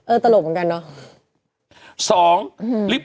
ตลกเหมือนกันเนอะ